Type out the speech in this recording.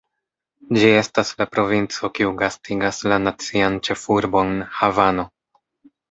Ĝi estas la provinco kiu gastigas la nacian ĉefurbon, Havano.